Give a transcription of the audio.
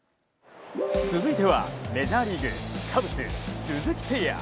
続いてはメジャーリーグカブス・鈴木誠也。